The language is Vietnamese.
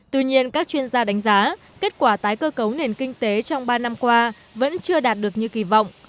tuy nhiên các chuyên gia đánh giá kết quả tái cơ cấu nền kinh tế trong ba năm qua vẫn chưa đạt được như kỳ vọng